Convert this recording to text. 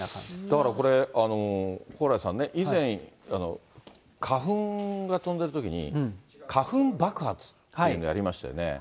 だからこれ、蓬莱さんね、以前、花粉が飛んでるときに花粉爆発っていうのやりましたよね。